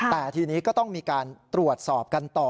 แต่ทีนี้ก็ต้องมีการตรวจสอบกันต่อ